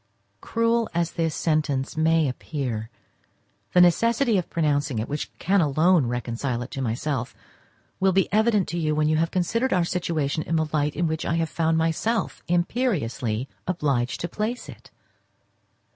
Cruel as this sentence may appear, the necessity of pronouncing it, which can alone reconcile it to myself, will be evident to you when you have considered our situation in the light in which I have found myself imperiously obliged to place it.